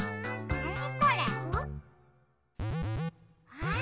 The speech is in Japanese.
あっ！